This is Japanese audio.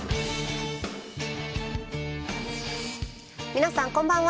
皆さんこんばんは。